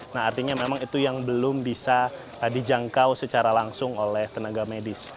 nah artinya memang itu yang belum bisa dijangkau secara langsung oleh tenaga medis